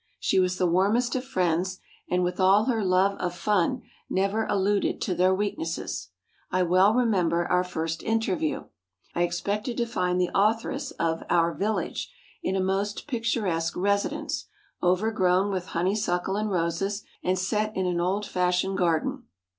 She was the warmest of friends, and with all her love of fun never alluded to their weaknesses.... I well remember our first interview. I expected to find the authoress of Our Village in a most picturesque residence, overgrown with honeysuckle and roses, and set in an old fashioned garden.